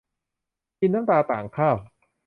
กินน้ำตาต่างข้าว